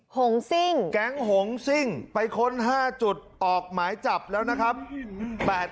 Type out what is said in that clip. หงซิ่งแก๊งหงซิ่งไปค้น๕จุดออกหมายจับแล้วนะครับ